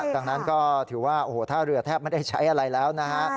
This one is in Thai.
ดังนั้นก็ถือว่าโอ้โหท่าเรือแทบไม่ได้ใช้อะไรแล้วนะฮะ